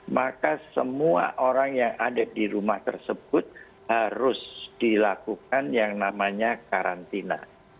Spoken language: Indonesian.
maka semua orang yang ada di rumah tersebut harus dilakukan yang namanya karantina